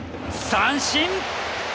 三振。